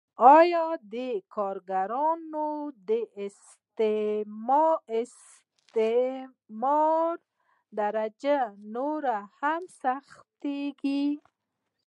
یانې د کارګرانو د استثمار درجه نوره هم سختېږي